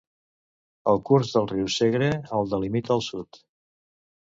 El curs del riu Segre el delimita al sud.